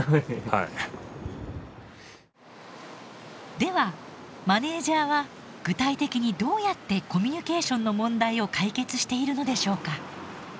ではマネージャーは具体的にどうやってコミュニケーションの問題を解決しているのでしょうか？